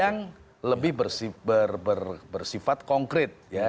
yang lebih bersifat konkret